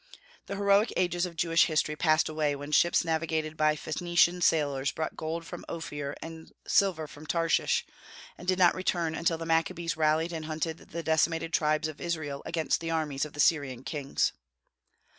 The heroic ages of Jewish history passed away when ships navigated by Phoenician sailors brought gold from Ophir and silver from Tarshish, and did not return until the Maccabees rallied the hunted and decimated tribes of Israel against the armies of the Syrian kings.